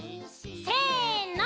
せの。